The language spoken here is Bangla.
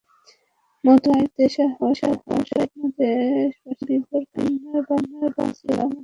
মধ্য আয়ের দেশ হওয়ার স্বপ্নে দেশবাসীকে বিভোর করায় বদ্ধপরিকর ছিল আমাদের সরকার।